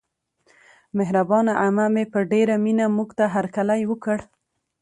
مهربانه عمه مې په ډېره مینه موږته هرکلی وکړ.